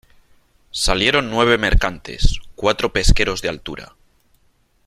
salieron nueve mercantes , cuatro pesqueros de altura ,